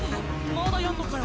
まだやんのかよ